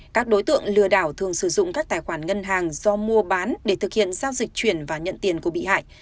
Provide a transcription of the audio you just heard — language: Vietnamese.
các đối tượng lừa đảo thường sử dụng các tài khoản ngân hàng do mua bán để thực hiện giao dịch chuyển và nhận tiền của bị hại